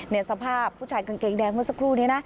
สภาพผู้ชายกางเกงแดงเมื่อสักครู่นี้นะ